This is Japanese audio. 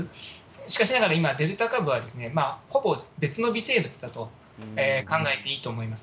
しかしながら今、デルタ株は、ほぼ別の微生物だと考えていいと思います。